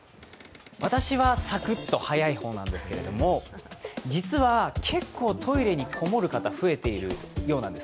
私はサクッと早い方なんですけれども、実は結構トイレに籠もる方増えているようなんです。